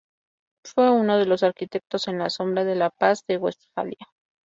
Fue uno de los arquitectos en la sombra de la Paz de Westfalia.